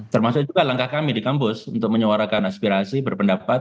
termasuk juga langkah kami di kampus untuk menyuarakan aspirasi berpendapat